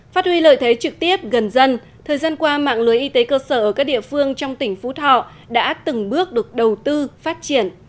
phát huy lợi thế trực tiếp gần dân thời gian qua mạng lưới y tế cơ sở ở các địa phương trong tỉnh phú thọ đã từng bước được đầu tư phát triển